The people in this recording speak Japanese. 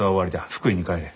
福井に帰れ。